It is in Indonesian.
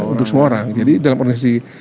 untuk semua orang jadi dalam kondisi